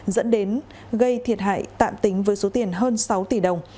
dẫn đến gây thiệt hại tạm tính với số tiền hơn sáu tỷ đồng